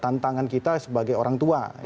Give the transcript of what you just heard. tantangan kita sebagai orang tua